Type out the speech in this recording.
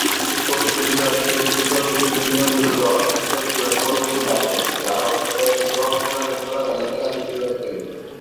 প্রতিটি বিভাগ থেকে শীর্ষ দুইটি নিম্নলিখিত, উচ্চতর বিভাগে পদোন্নতি লাভ করবে, যার অর্থ কয়েকটি দল টুর্নামেন্ট চলাকালীন একাধিক বিভাগে খেলবে।